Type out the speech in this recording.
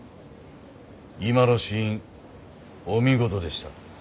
今のシーンお見事でした。